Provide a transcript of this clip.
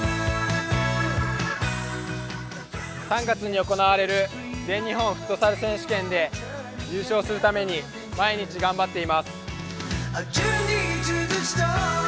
３月に行われる全日本フットサル選手権で優勝するために毎日頑張っています。